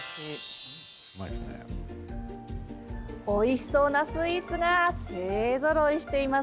おいしそうなスイーツが勢ぞろいしています。